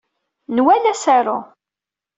Nwala asaru.